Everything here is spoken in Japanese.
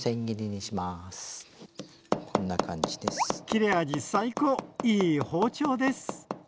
切れ味最高いい包丁です。